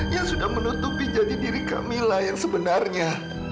yang sudah menutupi jadi diri kamila yang sebenarnya